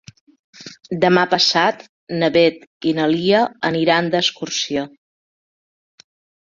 Demà passat na Beth i na Lia aniran d'excursió.